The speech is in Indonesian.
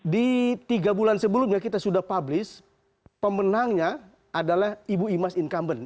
di tiga bulan sebelumnya kita sudah publish pemenangnya adalah ibu imas incumbent